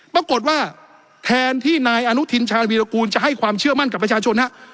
ปรากฏว่าแทนที่นายอนุทินชาญวีรกูลจะให้ความเชื่อมั่นกับประชาชนฮะ